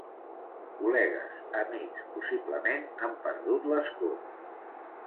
Col·legues, amics, possiblement han perdut l’escó.